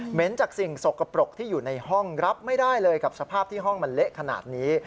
เห็นจากสิ่งสกปรกที่อยู่ในห้องรับไม่ได้เลยกับสภาพที่ห้องมันเละขนาดนี้